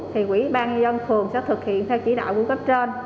thì quỹ ban dân phường sẽ thực hiện theo chỉ đạo của cấp trên